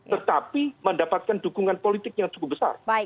tetapi mendapatkan dukungan politik yang cukup besar